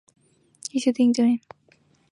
图的覆盖是一些顶点。